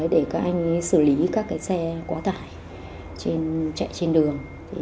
để các anh xử lý các xe quá tải chạy trên đường